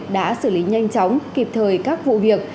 đã xử lý nhanh chóng kịp thời các vụ việc